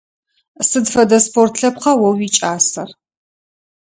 Сыд фэдэ спорт лъэпкъа о уикӀасэр?